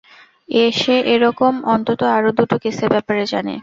সে এরকম অন্তত আরও দুটো কেসের ব্যাপারে জানে।